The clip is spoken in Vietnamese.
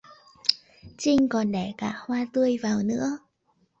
Trinh còn để cả hoa tươi vào nữa